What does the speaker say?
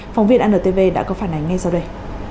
phóng viên antv đã có phản ánh ngay sau đây